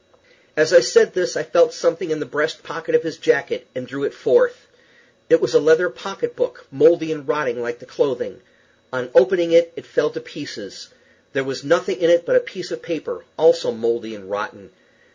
As I said this I felt something in the breast pocket of his jacket, and drew it forth. It was a leather pocket book, mouldy and rotten like the clothing. On opening it, it fell to pieces. There was nothing in it but a piece of paper, also mouldy and rotten.